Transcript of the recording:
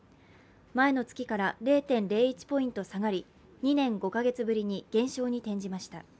前の月から０．０１ポイント下がり、２年５か月ぶりに減少に転じました。